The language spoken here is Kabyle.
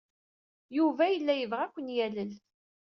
Yuba yella yebɣa ad ken-yalel.